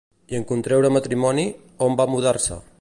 I en contreure matrimoni, on va mudar-se?